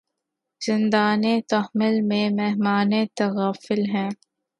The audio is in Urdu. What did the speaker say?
زندانِ تحمل میں مہمانِ تغافل ہیں